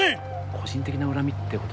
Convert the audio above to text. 個人的な恨みってことですか